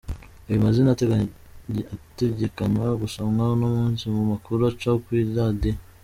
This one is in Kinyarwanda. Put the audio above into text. Ayo mazina ategekanywa gusomwa uno munsi mu makuru aca kw'iradiyo.